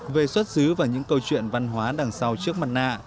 về xuất xứ và những câu chuyện văn hóa đằng sau trước mặt nạ